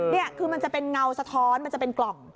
นี่คือมันจะเป็นเงาสะท้อนมันจะเป็นกล่อง